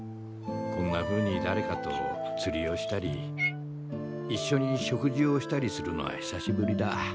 こんなふうにだれかと釣りをしたりいっしょに食事をしたりするのは久しぶりだ。